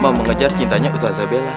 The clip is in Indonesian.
mau mengejar cintanya ustaz zabela